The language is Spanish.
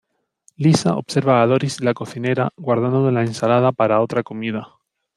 Lisa observa a Doris, la cocinera, guardando la ensalada para otra comida.